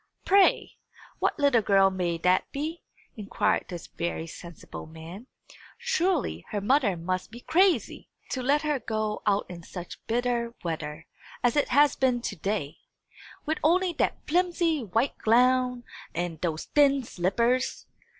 "Pray, what little girl may that be?" inquired this very sensible man. "Surely her mother must be crazy, to let her go out in such bitter weather as it has been to day, with only that flimsy white gown and those thin slippers!"